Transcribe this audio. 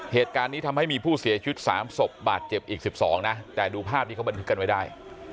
เหตุการณ์นี้ทำให้มีผู้เสียชีวิต๓ศพบาดเจ็บอีก๑๒นะแต่ดูภาพที่เขาบันทึกกันไว้ได้